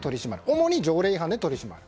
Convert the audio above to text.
主に条例違反で取り締まる。